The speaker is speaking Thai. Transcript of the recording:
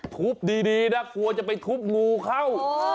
ทุบดีนะกลัวจะไปทุบงูเข้า